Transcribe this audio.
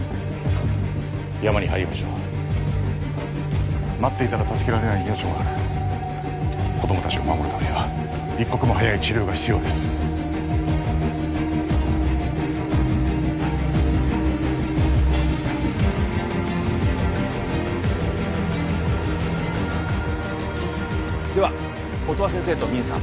山に入りましょう待っていたら助けられない命もある子供達を守るためには一刻も早い治療が必要ですでは音羽先生とミンさん